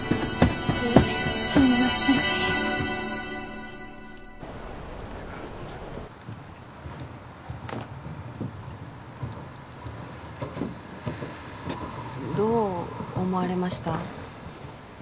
すみませんすみませんどう思われました？